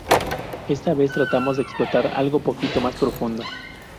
Esta vez, tratamos de explorar algo un poquito más profundo.